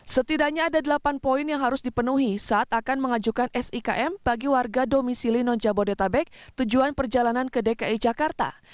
setidaknya ada delapan poin yang harus dipenuhi saat akan mengajukan sikm bagi warga domisili non jabodetabek tujuan perjalanan ke dki jakarta